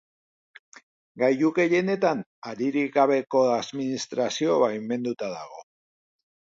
Gailu gehienetan, haririk gabeko administrazio baimenduta dago.